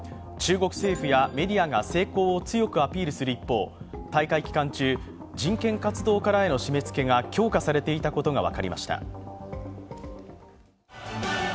中国政府やメディアが成功を強くアピールする一方大会期間中、人権活動家らへの締めつけが強化されていたことが分かりました。